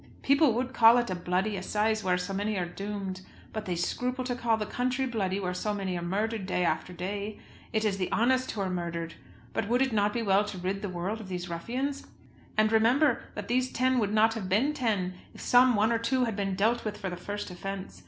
People would call it a bloody assize where so many are doomed. But they scruple to call the country bloody where so many are murdered day after day. It is the honest who are murdered; but would it not be well to rid the world of these ruffians? And, remember, that these ten would not have been ten, if some one or two had been dealt with for the first offence.